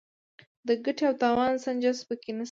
د ګټې او تاوان سنجش پکې نشته.